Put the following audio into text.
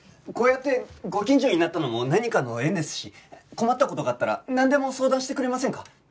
こうやってご近所になったのも何かの縁ですし困った事があったらなんでも相談してくれませんか？